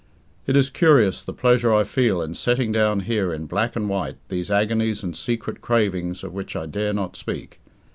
It is curious the pleasure I feel in setting down here in black and white these agonies and secret cravings of which I dare not speak.